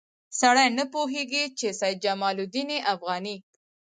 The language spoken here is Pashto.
سړی نه پوهېږي چې سید جمال الدین افغاني.